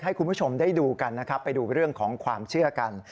ให้คุณผู้ชมได้ดูกันนะครับไปดูเรื่องของความเชื่อกัน